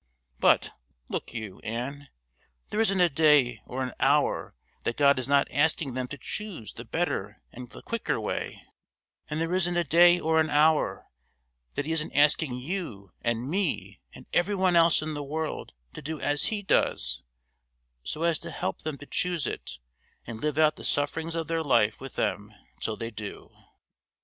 But, look you, Ann, there isn't a day or an hour that God is not asking them to choose the better and the quicker way, and there isn't a day or an hour that He isn't asking you and me and every one else in the world to do as He does so as to help them to choose it, and live out the sufferings of their life with them till they do."